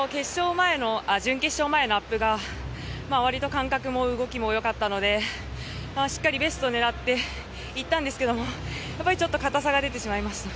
準決勝前のアップが割と感覚も泳ぎも良かったので、しっかりベストを狙っていったんですけどもやっぱり、ちょっと堅さが出てしまいました。